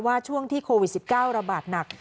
ช่วงที่โควิด๑๙ระบาดหนัก